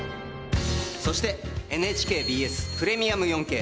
そして、ＮＨＫＢＳプレミアム４Ｋ。